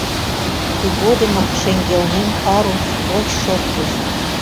Тыгодымак шеҥгелнем парус лоч шоктыш.